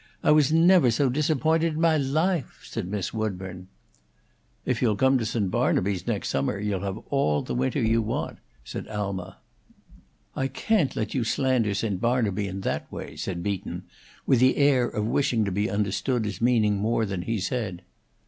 Ah was never so disappointed in mah lahfe," said Miss Woodburn. "If you'll come to St. Barnaby next summer, you shall have all the winter you want," said Alma. "I can't let you slander St. Barnaby in that way," said Beaton, with the air of wishing to be understood as meaning more than he said.